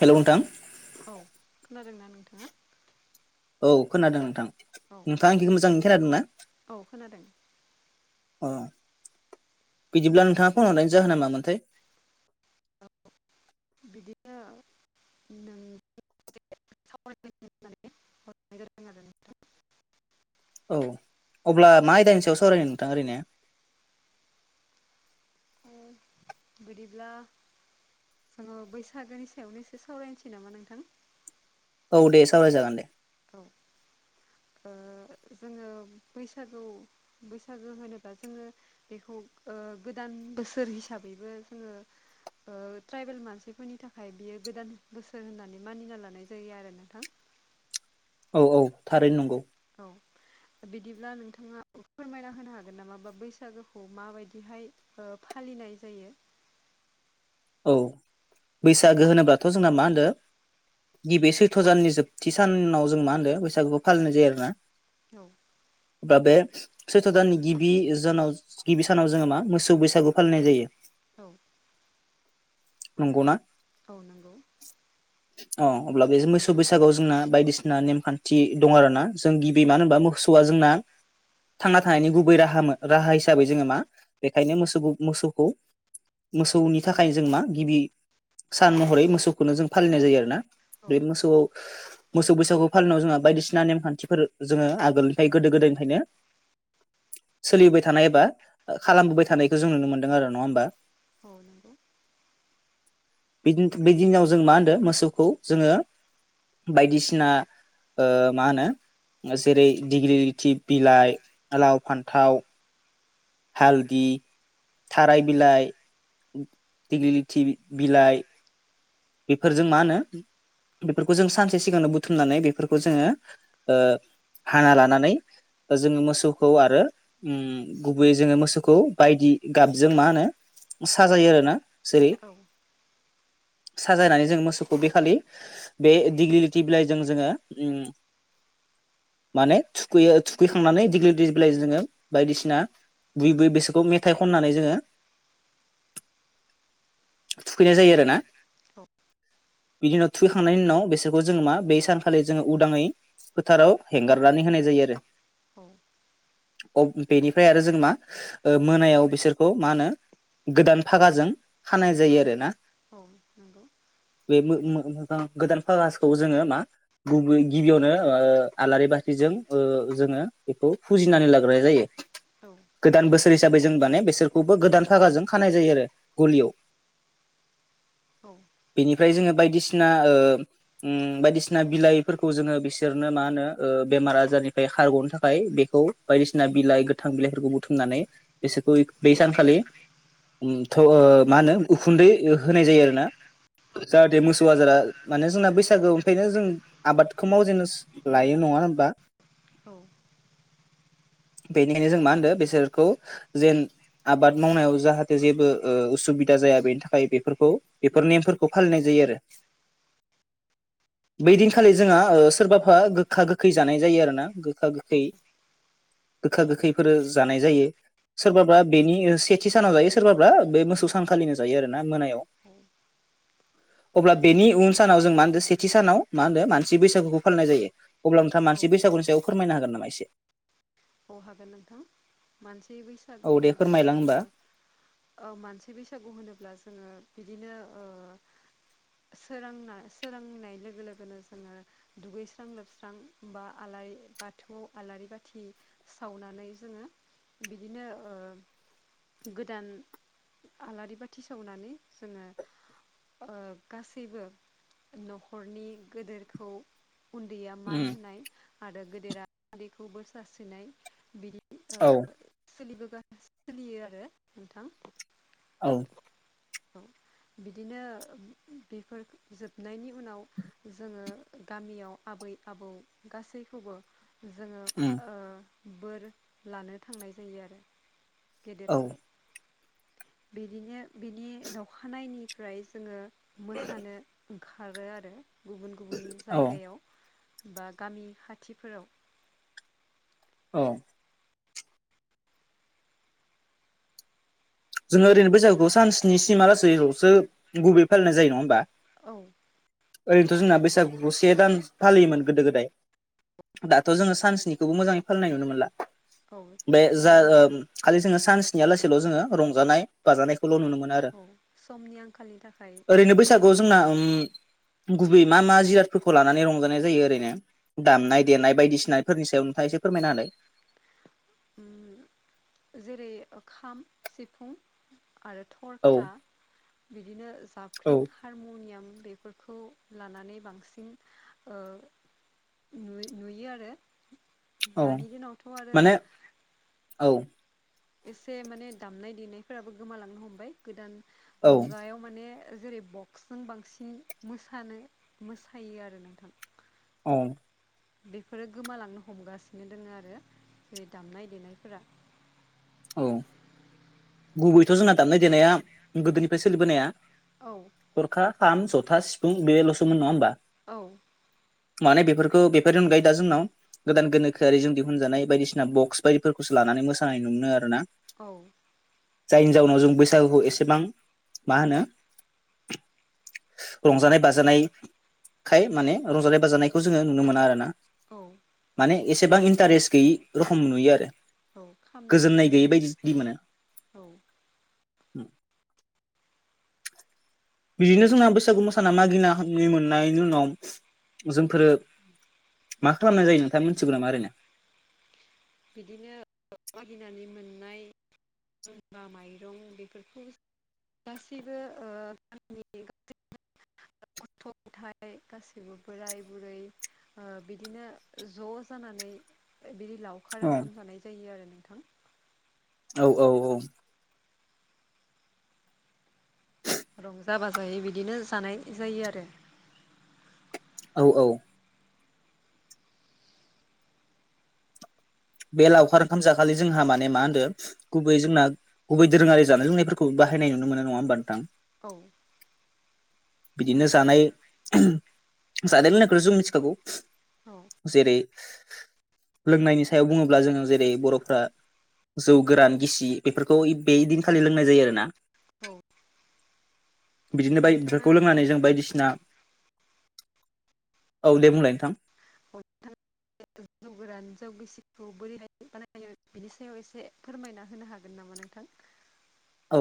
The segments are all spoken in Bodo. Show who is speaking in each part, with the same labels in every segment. Speaker 1: हेल' नोंथां।
Speaker 2: औ खोनादोंना नोंथाङा?
Speaker 1: औ खोनादों नोंथां
Speaker 2: औ
Speaker 1: नोंथाङा आंनिखौ मोजाङैनो खोनादोंना?
Speaker 2: औ खोनादों
Speaker 1: अ बिदिब्ला नोंथाङा फन हरनाय जाहोना मामोनथाय?
Speaker 2: बिदिनो नों [unintelligible] आरो
Speaker 1: औ अब्ला मा आयदानिानि सायाव सावरायनो नोंथां ओरैनो
Speaker 2: नोंथां बिदिब्ला जोङो बैसागोनि सायावनो एसे सावरायनोसै नामा नोंथां?
Speaker 1: औ दे सावराय जागोन दे।
Speaker 2: औ ओ जोङो बैसागौ बैसागो होनोबा जोङो बेखौ ओ गोदान बोसोर हिसाबैबो जोङो ओ ट्राइबेल मानसिफोरनि थाखाय बियो गोदान बोसोर होननानै मानिना लानाय जायो आरो नोंथां।
Speaker 1: औ औ थारैनो नंगौ।
Speaker 2: औ बिदिब्ला नोंथाङा फोरमायना होनो हागोन नामा बा बैसागोखौ माबायदिहाय ओ फालिनाय जायो।
Speaker 1: औ बैसागो होनोब्लाथ' जोंना मा होनदो गिबि सैथ्र' दाननि जोबथि साननाव जों मा होनदो बैसागुखौ फालिनाय जायो आरोना।
Speaker 2: औ
Speaker 1: दा बे सैत्र दाननि गिबि जोनाव गिबि सानाव जोङो मा मोसौ बैसागु फालिनाय जायो।
Speaker 2: औ
Speaker 1: नंगौना
Speaker 2: औ नंगौ
Speaker 1: अ अब्ला बे मोसौ बैसागोआव जोंना बायदिसिना नेमखान्थि दङ आरो ना जों गिबि मानो होनबा मोसौवा जोंना थांना थानायनि गुबै राहा राहा हिसाबै जोङो मा बेखायनो मोसौ मोसौखौ मोसौनि थाखाय जों मा गिबि सान महरै मोसौखौनो जों फालिनाय जायो आरोना
Speaker 2: औ
Speaker 1: बे मोसौआव मोसौ बैसागु फालिनायाव जोंहा बायदिसिना नेमखान्थिफोर जोङो आगोलनिफ्राय गोदो गोदायनिफ्रायनो सोलिबोबाय थानाय एबा खालामबोबाय थानायखौ जों नुनो मोनदों आरो नङा होमबा
Speaker 2: औ नंगौ
Speaker 1: बिदि बै दिनाव जों मा होनो मोसौखौ जोङो बायदिसिना मा होनो जेरै डिग्रिलिथि बिलाइ लाव फान्थाव हालदि थाराय बिलाइ दिग्लि लिथि बिलाइ बेफोरजों मा होनो बेफोरखौ जों सानसे सिगांनो बुथुमनानै बेफोरखौ जोङो हाना लानानै जोङो मोसौखौ आरो गुबैयै जोङो मोसौखौ बायदि गाबजों मा होनो साजायो आरो ना जेरै
Speaker 2: औ
Speaker 1: साजायनानै जों मोसौखौ बेखालि बे दिग्लिलिथि बिलाइजों जोङो माने थुखैयो थुखैखांनानै दिग्लिलिटि जोङो बायदिसिना बुयै बुयै बिसोरखौ मेथाइ खननानै जोङो
Speaker 2: [inaudible]
Speaker 1: थुखैनाय जायो आरो ना
Speaker 2: औ
Speaker 1: बिनि उनाव थुैखांनायनि उनाव बेसोरखौ जोङो मा बै सानखालि जोङो उदाङै फोथाराव हेंगारनानै होनाय जायो आरो
Speaker 2: औ
Speaker 1: अ बेनिफ्राय आरो जों मा मोनायाव बिसोरखौ मा होनो गोदान फागाजों खानाय जायो आरो ना
Speaker 2: औ नंगौ नों
Speaker 1: बे गोदान पागासखौ जोङो मा गुब गिबियावनो आलारि बाथिजों जोङो बेखौ फुजिनानै लाग्रोनाय जायो
Speaker 2: औ
Speaker 1: गोदान बोसोर हिसाबै जों माने बिसोरखौबो गोदान थाखागाजों खानाय जायो आरो गलियाव
Speaker 2: औ
Speaker 1: बेनिफ्राय जोङो बायदिसिना ओ उम बायदिसिना बिलाइफोरखौ जोङो बिसोरनो मा होनो ओ बेमार आजारनिफ्राय खारग'नो थाखाय बेखौ बायदिसिना बिलाइ गोथां बिलाइफोरखौ बुथुमनानै बिसोरखौ बै सानखालि थ' ओ मा होनो उखुन्दै होनाय जायो आरो ना जाहाथे मोसौ आजारा माने जोंना बैसागो ओमफ्रायनो जों आबादखौ मावजेननोसो लायो नङा होनबा
Speaker 2: औ
Speaker 1: बेनिखायनो जों मा होनदों बिसोरखौ जेन आबाद मावनायाव जाहाथे जेबो उसुबिदा जाया बेनि थाखाय बेफोर खौ बेफोर नेमफोरखौ फालिनाय जायो आरो
Speaker 2: [inaudible]
Speaker 1: बै दिनखालि जोंहा सोरबाफा गोखा गोखै जानाय जायो आरो ना गोखा गोखै गोखा गोखैफोर जानाय जायो सोरबाबा बेनि सेथि सानाव जायो सोरबाबा बे मोसौ सानखालिनो जायो आरो ना मोनायाव अब्ला
Speaker 2: नों
Speaker 1: बेनि
Speaker 2: नों
Speaker 1: उन सानाव जों मा होनो सेथि सानाव मा होनो मानसि बैसागुखौ फालिनाय जायो अब्ला नोंथाङ
Speaker 2: औ
Speaker 1: मानसि बैसागुनि सायाव फोरमायनो हागोन नामा एसे।
Speaker 2: अह हागोन नोंथां मानसि बैसागु
Speaker 1: औ दे
Speaker 2: होनोब्ला
Speaker 1: फोरमायलां होमबा
Speaker 2: जोङो मानसि बैसागु होनोब्ला जोङो बिदिनो ओ सोरांना सोरांनाय लोगो लोगोनो जोङो दुगैस्रां लोबस्रां बा आलारि बाथौआव आलारि बाथि सावनानै जोङो बिदिनो ओ गोदान आलारि बाथि सावनानै जोङो ओ गासैबो न'खरनि गोदेरखौ उन्दैया मान
Speaker 1: उम
Speaker 2: होनाय आरो गेदेरा उनदैखौ बोर सारस्रिनाय बिनि बिदि ओ
Speaker 1: औ
Speaker 2: सोलियो आरो नोंथां [unintelligible]
Speaker 1: औ
Speaker 2: औ बिदिनो बेफोर जोबनायनि उनाव जोङो गामियाव आबै आबौ गासैखौबो जोङो
Speaker 1: उम
Speaker 2: ओ बोर लानो थांनाय जायो आरो।
Speaker 1: औ
Speaker 2: गेदेरखौ बिदिनो बिनि दावखानायनिफ्राय जोङो मोसानो ओंखारो आरो गुबुन गुबुन
Speaker 1: औ
Speaker 2: जायगायाव। बा गामि खाथिफोराव।
Speaker 1: औ जोङो ओरैनो बैसागुखौ सानस्नि सिमा लासैलसो गुबैयै फालिनाय जायो नङा होमबा।
Speaker 2: औ
Speaker 1: ओरैनोथ जोंना बैसागुखौ से दान फालियोमोन गोदो गोदाय। दाथ जोङो सान्सनिखौबो मोजाङै फालिनाय नुनो मोनला
Speaker 2: औ
Speaker 1: बे जा ओ
Speaker 2: दानिया
Speaker 1: खालि जोङो सानसेनिया लासेैल जोङो रंजानाय बाजानायखौल नुनो मोनो आरो।
Speaker 2: औ समनि आंखालनि थाखाय
Speaker 1: ओरैनो बैसागुआव जोंना गुबै मा मा जिरादफोरखौ लानानै रंजानाय जायो ओरैनो दामनाय देनाय बायदिसिनाफोरनि सायाव नोंथाङा एसे फोरमायना हालाय।
Speaker 2: उम जेरै खाम, सिफुं, आरो
Speaker 1: औ
Speaker 2: थरखा। बिदिनो जाबख्रिं
Speaker 1: औ
Speaker 2: हारमुनियाम बेफोरखौ लानानै बांसिन ओ नुयो आरो।
Speaker 1: औ
Speaker 2: दानि दिनावथ' आरो
Speaker 1: माने औ
Speaker 2: एसे माने दामनाय देनायफोराबो गोमालांनो हमबाय गोदान
Speaker 1: औ
Speaker 2: मुगायाव। माने जेरै बक्सजों बांसिन मोसानो मोसायो आरो नोंथां।
Speaker 1: औ
Speaker 2: बेफोरो गोमालांनो हमगासिनो दोङ आरो जेरै दामनाय देनायफोरा।
Speaker 1: औ गुबैथ' जोंना दामनाय देनाया गोदोनिफ्राय सोलिबोनाया
Speaker 2: औ
Speaker 1: थरखा खाम जथा सिफुं बेलसोमोन नङा होमबा।
Speaker 2: औ
Speaker 1: माने बेफोरखौ बेफोरनि अनगायै दा जोंनाव गोदान गोनोखोआरिजों दिहुनजानाय बायदिसिना बक्स बायदिफोरखौसो लानानै मोसानाय मोनो आरो ना।
Speaker 2: औ।
Speaker 1: जायनि जाउनाव जों बैसागुखौ एसेबां मा होनो रंजानाय बाजानाय खाय माने रंजानाय बाजानायखौ जोङो नुनो मोना आरो ना।
Speaker 2: औ
Speaker 1: माने एसेबां इन्टारेस्ट गैयि रखम नुयो आरो
Speaker 2: औ खामनि
Speaker 1: गोजोननाय
Speaker 2: गोमनाय
Speaker 1: गैयै बायदि मोनो।
Speaker 2: औ।
Speaker 1: [inaudible] बिदिनो जोंना बैसागु मोसाना मागिना मोननायनि उनाव जोंफोरो मा खालामनाय जायो नोंथा मोनथिगो नामा ओरैनो
Speaker 2: बिदिनो मागिनानै मोननाय [unintelligible] माइरं बेफोरखौ गासैबो [unintelligible] गथ' गथाय गासैबो बोराय बुरै बिदिनो ज' जानानै बिनि उनाव लावखार
Speaker 1: औ
Speaker 2: ओंखाम जानाय जायो आरो नोंथां
Speaker 1: औ औ औ
Speaker 2: रंजा बाजायै बिदिनो जानाय जायो आरो
Speaker 1: औ औ बे लावखार ओंखाम जाखालि जोंहा माने मा होनदो गुबै जोंना गुबै दोरोङारि जानाय लोंनायफोरखौ बाहायनाय नुनो मोनो नङा होमबा नोंथां
Speaker 2: औ
Speaker 1: बिदिनो जानाय जानाय लोंनायखौ जों मिथिखागौ
Speaker 2: औ
Speaker 1: जेरै लोंनायनि सायाव बुङोब्ला जोङो जेरै बर'फ्रा जौ गोरान गिसि बेफोरखौ बे दिनखालि लोंनाय जायो आरो ना
Speaker 2: औ
Speaker 1: बिदिनो बाय
Speaker 2: नोंथाङा
Speaker 1: बिफोरखौ लोंनानै जों बायदिसिना औ दे बुंलाय नोंथां
Speaker 2: [unintelligible] जौ गोरान जौ गिसिखौ बोरै बानायो बिनि सायाव एसे फोरमायना होनो हागोन नामा नोंथां?
Speaker 1: औ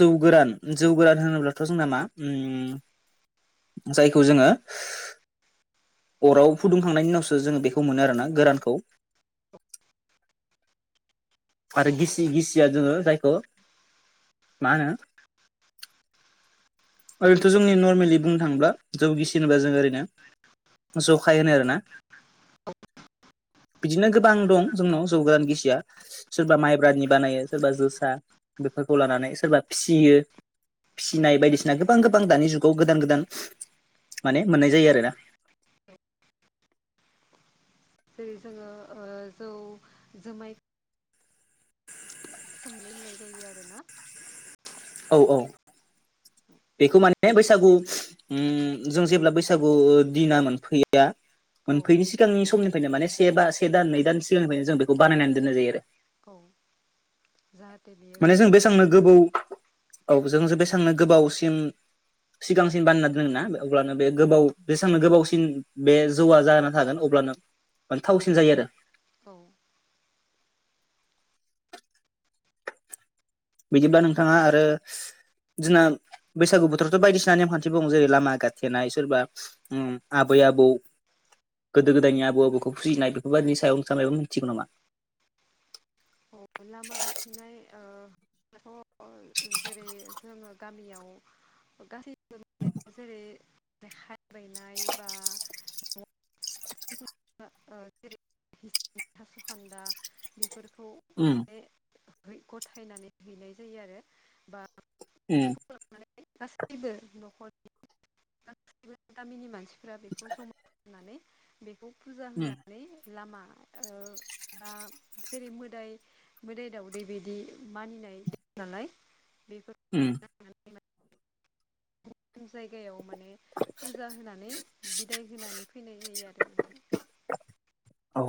Speaker 1: जौ गोरान जौ गोरान होनोब्लाथ' जोंना मा ओम जायखौ जोङो अराव फुदुंखांनायनि उनावसो जोङो बेखौ मोनो आरोना गोरानखौ आरो गिसि गिसिया जोङो जायखौ मा होनो ओरैथ' जोंनि नर्मेलि बुंनो थाङोब्ला जौ गिसि होनबा जों ओरैनो जखाय होनो आरो ना। बिदिनो गोबां दं जोंनाव जौ गोरान गिसिया सोरबा माइब्रानि बानायो सोरबा जोसा बेफोरखौ लानानै सोरबा फिसियो
Speaker 2: औ
Speaker 1: फिसिनाय बायदिसिना गोबां गोबां दानि जुगाव गोदान गोदान माने मोननाय जायो आरो ना।
Speaker 2: जेरै जोङो ओ जौ जुमाय सोमना दोननाय जायो आरोना।
Speaker 1: औ औ
Speaker 2: [inaudible]
Speaker 1: बेखौ माने बैसागु जों जेब्ला बैसागु दिना मोनफैया
Speaker 2: औ
Speaker 1: मोनफैयै सिगांनि समनिफ्रायनो माने से बा से दान नै दान सिगांनिफ्रायनो जों बेखौ बानायनानै दोननाय जायो आरो।
Speaker 2: औ जाहाथे बियो
Speaker 1: माने जों
Speaker 2: गोदै
Speaker 1: बेसेबांनो
Speaker 2: जायो।
Speaker 1: गोबौ औ जों जे बेसेबांनो गोबावसिम सिगांसिन बानायना दोनोना अब्लानो बे गोबाव बेसांनो गोबावसिन बे जौआ जाना थागोन अब्लानो मा थावसिन जायो आरो
Speaker 2: औ
Speaker 1: बिदिब्ला नोंथाङा आरो जोंना बैसागु बोथोरावथ' बायदिसिना नेमखान्थि दङो जेरै लामा गाथेनाय सोरबा ओम आबै आबौ गोदो गोदायनि आबौ आबैखौ फुजिनाय बेफोरबायदिनि सायावनो थानाय मिथिगौ नामा?
Speaker 2: औ लामा गाथेनाय ओ [unintelligible] जेरै जोङो गामियाव गासै [unintelligible] जेरै [unintelligible] नाय बा [unintelligible] थास'खान्दा बेफोरखौ
Speaker 1: ओम
Speaker 2: [unintelligible] गथायनानै हैनाय जायो आरो बा
Speaker 1: उम
Speaker 2: माने गासैबो न'खरनि [unintelligible] गासैबो गामिनि मानसि फोर बेखौ समायनानै बेखौ फुजा
Speaker 1: उम
Speaker 2: होनानै लामा बा ओ जेरै मोदाइ मोदाइ दाउदै बिदि मानिनाय नालाय बेफोर
Speaker 1: उम
Speaker 2: जायगायाव माने फुजा होनानै बिदाय होनानै फैनाय जायो आरो नोंथां।
Speaker 1: औ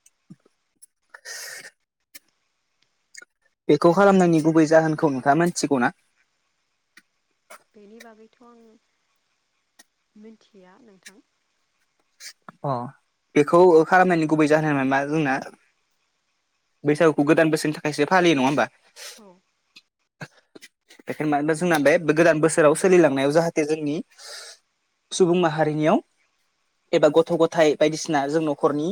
Speaker 1: [inaudible] बेखौ खालामनायनि गुबै जाहोनखौ नोंथाङा मोनथिगौ ना?
Speaker 2: बेनि बागैथ' आं मिथिया नोंथां।
Speaker 1: अ बेखौ खालामनायनि गुबै जाहोनानो मा जोंना बैसागुखौ गोदान बोसोरनि थाखायसो फलियो नङा होमबा।
Speaker 2: औ
Speaker 1: बेखायनो मानोना जोंना बे गोदान बोसोराव सोलिलांनायाव जाहाथे जोंनि सुबुं माहारिनियाव एबा गथ' गथाइ बायदिसिना जों न'खरनि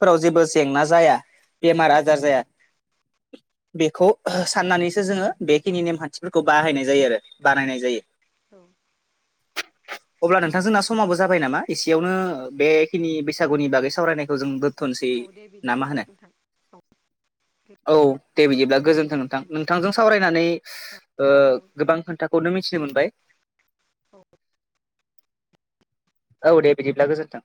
Speaker 1: फोराव जेबो जेंना जाया बेमार आजार जाया। बेखौ साननानैसो जोङो बेखिनि नेमखान्थिफोरखौ बाहायनाय जायो आरो। बानायनाय जायो।
Speaker 2: औ औ
Speaker 1: अब्ला नोंथां जोंना समाबो जाबाय नामा एसेयावनो बेखिनि बैसागुनि बागै सावरायनायखौ जोंबो दोनथनोसै
Speaker 2: औ दे
Speaker 1: ना मा
Speaker 2: बिदिब्ला
Speaker 1: होनो।
Speaker 2: नोंथां औ दे
Speaker 1: औ दे बिदिब्ला गोजोनथों नोंथां नोंथांजों सावरायनानै ओ
Speaker 2: औ दे
Speaker 1: गोबां खोथा खौनो मिथिनो मोनबाय।
Speaker 2: औ
Speaker 1: औ दे बिदिब्ला गोजोनथों।